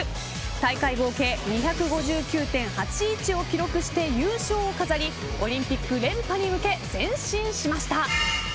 大会合計２５９．８１を記録している優勝を飾りオリンピック連覇に向け前進しました。